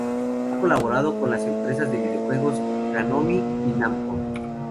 Ha colaborado con las empresas de video juegos, Konami y Namco.